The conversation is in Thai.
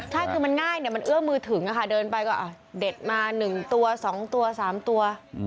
ใช่คือมันง่ายเนี่ยมันเอื้อมือถึงนะคะเดินไปก็เด็ดมาหนึ่งตัวสองตัวสามตัว